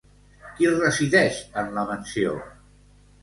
Qui resideix en la mansió?